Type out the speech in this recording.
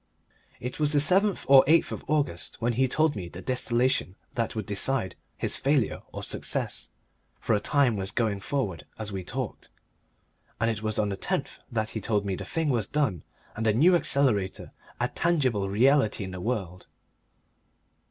It was the 7th or 8th of August when he told me the distillation that would decide his failure or success for a time was going forward as we talked, and it was on the 10th that he told me the thing was done and the New Accelerator a tangible reality in the world.